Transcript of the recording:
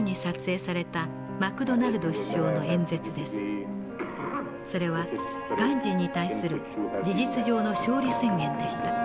それはガンジーに対する事実上の勝利宣言でした。